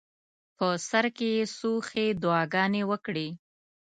په سر کې یې څو ښې دعاګانې وکړې.